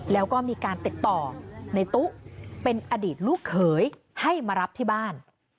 แล้วก็มีการติดต่อในตู้เป็นอดีตลูกเขยให้มารับที่บ้าน